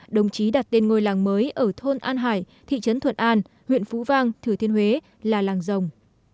đồng chí đặt tên ngôi làng mới ở thôn an hải thị trấn thuận an huyện phú vang thừa thiên huế là làng rồng